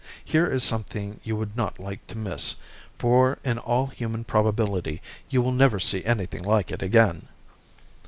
Here is something you would not like to miss, for in all human probability you will never see anything like it again."